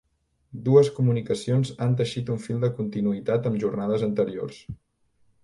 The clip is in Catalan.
Dues comunicacions han teixit un fil de continuïtat amb jornades anteriors.